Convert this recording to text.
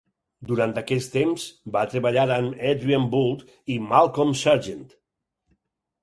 Durant aquest temps va treballar amb Adrian Boult i Malcolm Sargent.